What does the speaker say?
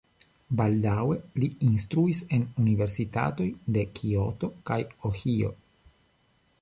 Baldaŭe li instruis en universitatoj de Kioto kaj Ohio.